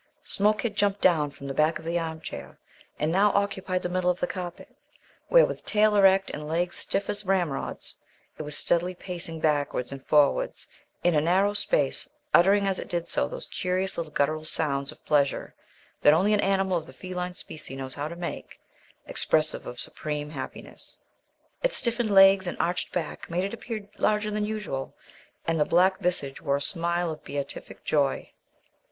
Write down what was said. Smoke had jumped down from the back of the arm chair and now occupied the middle of the carpet, where, with tail erect and legs stiff as ramrods, it was steadily pacing backwards and forwards in a narrow space, uttering, as it did so, those curious little guttural sounds of pleasure that only an animal of the feline species knows how to make expressive of supreme happiness. Its stiffened legs and arched back made it appear larger than usual, and the black visage wore a smile of beatific joy.